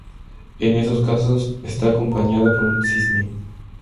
En esos casos está acompañada por un cisne.